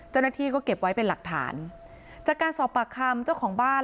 เจ้าหน้าที่ก็เก็บไว้เป็นหลักฐานจากการสอบปากคำเจ้าของบ้าน